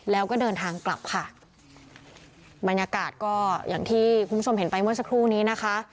แล้วก็เดินทางกลับค่ะบรรยากาศก็อย่างที่คุณผู้ชมเห็นไปเมื่อสักครู่นี้นะคะ